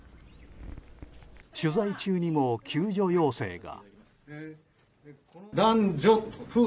取材中にも救助要請が。